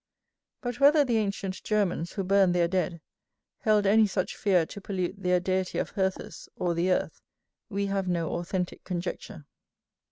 But whether the ancient Germans, who burned their dead, held any such fear to pollute their deity of Herthus, or the earth, we have no authentic conjecture.